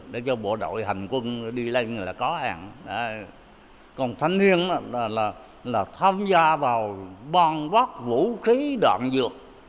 để cho bộ đội hành quân đi lên là có ăn còn thanh niên là tham gia vào bon bóc vũ khí đoạn dược